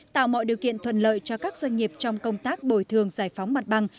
tạo mọi điều kiện thuận lợi cho các doanh nghiệp trong công tác bồi thường giải phóng mặt bằng